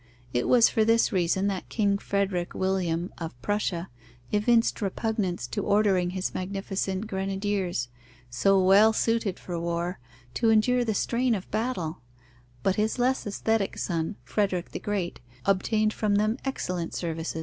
It was for this reason that King Frederick William of Prussia evinced repugnance to ordering his magnificent grenadiers, so well suited for war, to endure the strain of battle; but his less aesthetic son, Frederick the Great, obtained from them excellent services.